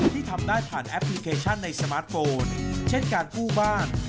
ที่ทำได้ผ่านแอปพลิเคชันในสมาร์ทโฟนเช่นการกู้บ้าน